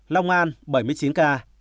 long an bảy mươi chín ca